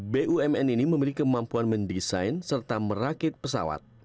bumn ini memiliki kemampuan mendesain serta merakit pesawat